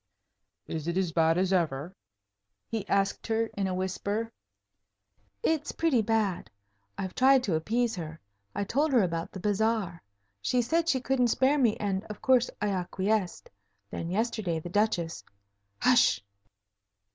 "Is it as bad as ever?" he asked her, in a whisper. "It's pretty bad. I've tried to appease her. I told her about the bazaar. She said she couldn't spare me, and, of course, I acquiesced. Then, yesterday, the Duchess hush!"